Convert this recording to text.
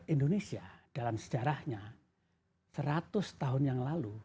indonesia dalam sejarahnya seratus tahun yang lalu seribu sembilan ratus tiga puluh